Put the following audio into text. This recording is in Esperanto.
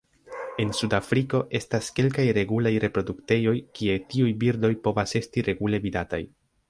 En Sudafriko estas kelkaj regulaj reproduktejoj kie tiuj birdoj povas esti regule vidataj.